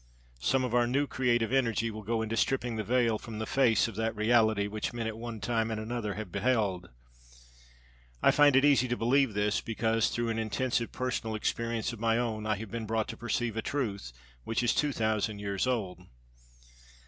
Some of our new creative energy will go into stripping the veil from the face of that Reality which men at one time and another have beheld. I find it easy to believe this because through an intensive personal experience of my own I have been brought to perceive a truth which is two thousand years old.